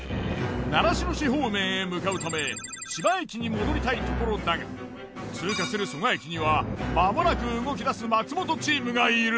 習志野市方面へ向かうため千葉駅に戻りたいところだが通過する蘇我駅には間もなく動き出す松本チームがいる。